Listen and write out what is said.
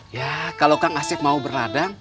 ya kalau kang asep mau berladang